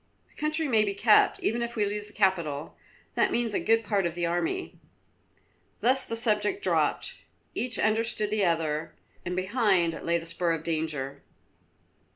The country may be kept, even if we lose the capital; that means a good part of the army." Thus the subject dropped. Each understood the other, and behind lay the spur of danger.